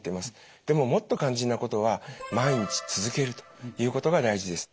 でももっと肝心なことは毎日続けるということが大事です。